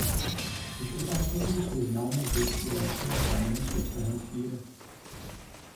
Již od antiky jsou známy zdejší léčivé prameny s obsahem síry.